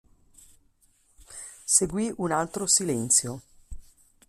Seguì un altro silenzio.